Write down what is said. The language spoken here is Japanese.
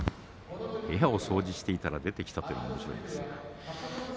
部屋を掃除していたら出てきたというのもおもしろいです。